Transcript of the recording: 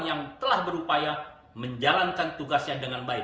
yang telah berupaya menjalankan tugasnya dengan baik